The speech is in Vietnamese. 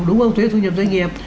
đúng không thuế thu nhập doanh nghiệp